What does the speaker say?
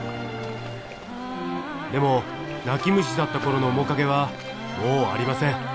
でも泣き虫だったころの面影はもうありません。